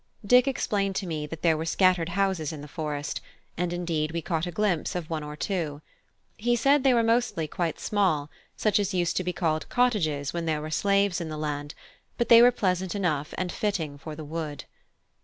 Dick explained to me that there were scattered houses in the forest, and indeed we caught a glimpse of one or two. He said they were mostly quite small, such as used to be called cottages when there were slaves in the land, but they were pleasant enough and fitting for the wood.